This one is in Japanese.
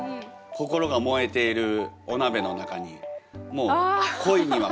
心が燃えているお鍋の中にもう恋には蓋をしてやろうと。